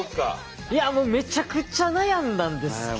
いやもうめちゃくちゃ悩んだんですけど。